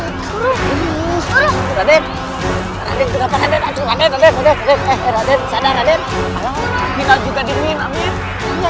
kita harus dibangun sangat bijak